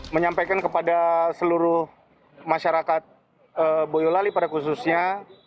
menyampaikan kepada seluruh masyarakat boyolali pada khususnya